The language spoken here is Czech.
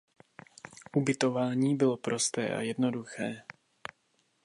Ubytování bylo prosté a jednoduché.